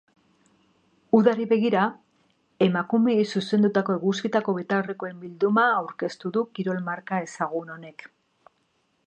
Udari begira, emakumeei zuzendutako eguzkitako betaurrekoen bilduma aurkeztu du kirol-marka ezgaun honek.